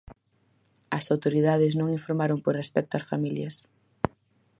As autoridades non informaron por respecto ás familias.